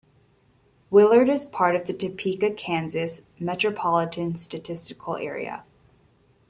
Willard is part of the Topeka, Kansas Metropolitan Statistical Area.